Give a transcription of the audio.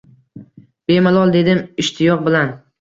Bemalol, dedim ishtiyoq bilan